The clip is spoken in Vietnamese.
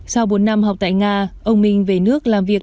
sau bốn năm học tại nga ông minh về nước làm việc